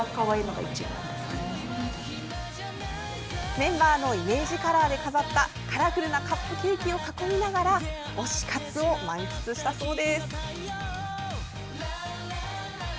メンバーのイメージカラーで飾ったカラフルなカップケーキを囲みながら推し活を満喫したそうです。